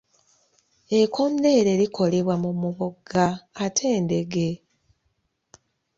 Ekkondeere likolebwa mu muboga ate eddenge?